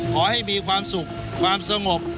ขอให้มีความสุขความสงบ